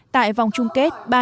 tại vòng chung kết